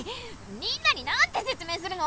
みんなになんてせつ明するの？